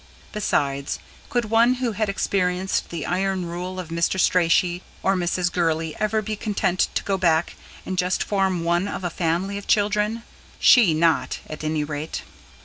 Besides, could one who had experienced the iron rule of Mr. Strachey, or Mrs. Gurley, ever be content to go back and just form one of a family of children? She not, at any rate!